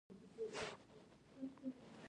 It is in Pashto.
فرن ګل نه کوي خو پاڼې لري